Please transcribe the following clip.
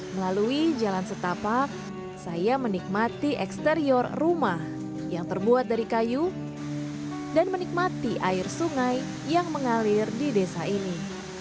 melalui jalan setapak saya menikmati eksterior rumah yang terbuat dari kayu dan menikmati air sungai yang mengalir di desa ini